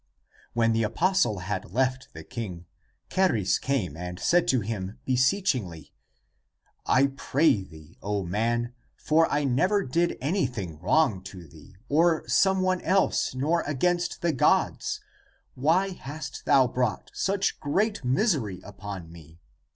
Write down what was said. When the apostle had left the king, Charis came and said to him beseechingly, " I pray thee, O man — for I never did anything wrong to thee or someone else nor against the gods — why hast thou brought such great misery upon me?